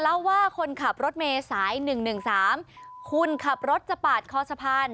เล่าว่าคนขับรถเมย์สายหนึ่งหนึ่งสามคุณขับรถจะปาดคอสะพาน